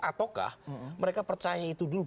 ataukah mereka percaya itu dulu